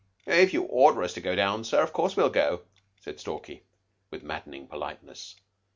"If you order us to go down, sir, of course we'll go," said Stalky, with maddening politeness.